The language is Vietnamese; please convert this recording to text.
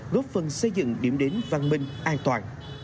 góp phần xây dựng điểm đến văn minh an toàn